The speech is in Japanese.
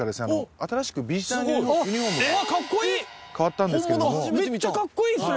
新しくビジターユニフォームが変わったんですけれどもめっちゃかっこいいですね